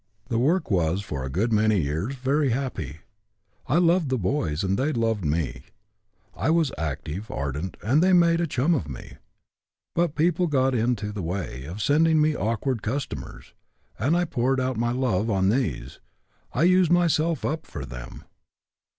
The work was for a good many years very happy. I loved the boys, and they loved me. I was active, ardent, and they made a chum of me. But people got into the way of sending me awkward customers. I poured out my love on these, I used myself up for them.